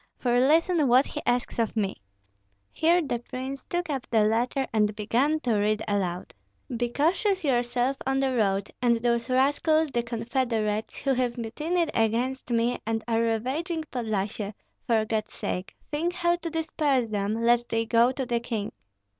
For listen what he asks of me." Here the prince took up the letter and began to read aloud, "Be cautious yourself on the road; and those rascals, the confederates, who have mutinied against me and are ravaging Podlyasye, for God's sake think how to disperse them, lest they go to the king.